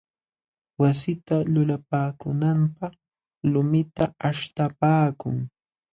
Wasita lulapaakunanpaq lumita aśhtapaakun.